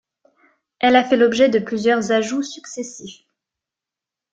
Elle a fait l'objet de plusieurs ajouts successifs.